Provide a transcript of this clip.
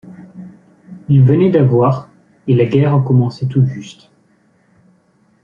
Il venait d'avoir et la guerre commençait tout juste.